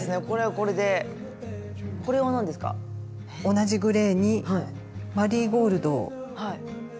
同じグレーにマリーゴールドをのせたり。